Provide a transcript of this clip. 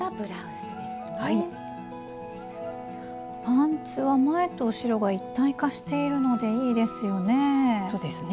パンツは前と後ろが一体化しているのでいいですよね。